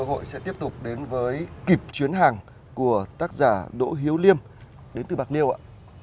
hội sẽ tiếp tục đến với kịp chuyến hàng của tác giả đỗ hiếu liêm đến từ bạc liêu ạ